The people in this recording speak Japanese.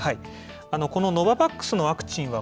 このノババックスのワクチンは、